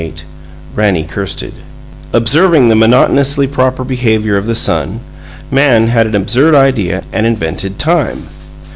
XXVIII RANNIE KIRSTED Observing the monotonously proper behavior of the sun, man had an absurd idea and invented Time.